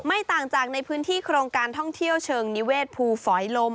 ต่างจากในพื้นที่โครงการท่องเที่ยวเชิงนิเวศภูฝอยลม